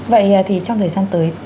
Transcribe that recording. vậy thì trong thời gian tới